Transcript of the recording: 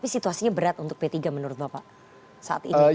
tapi situasinya berat untuk p tiga menurut bapak saat ini